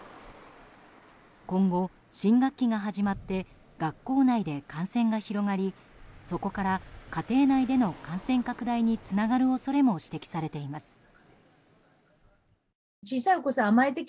今後、新学期が始まって学校内で感染が広がりそこから家庭内での感染拡大につながる恐れも指摘されています。